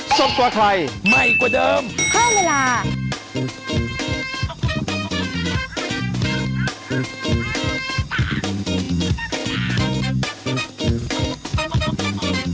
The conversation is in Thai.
สวัสดีค่ะ